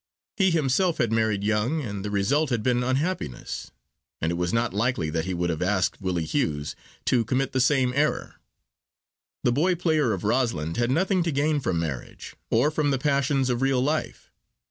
He himself had married young, and the result had been unhappiness, and it was not likely that he would have asked Willie Hughes to commit the same error. The boy player of Rosalind had nothing to gain from marriage, or from the passions of real life.